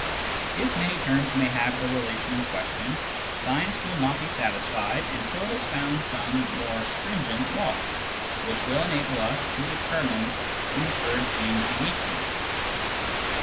If many terms may have the relation in question, science will not be satisfied until it has found some more stringent law, which will enable us to determine the inferred things uniquely.